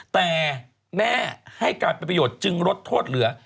แต่แม่ให้การเป็นประโยชน์จึงลดโทษเหลือ